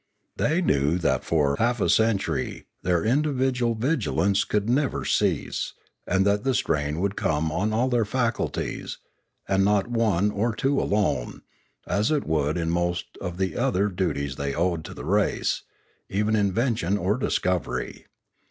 They knew that for half a century their individual vigilance could never cease, and that the strain would come on all their faculties, and not on one or two alone, as it would in most of the other duties they owed to the race, even invention or discovery.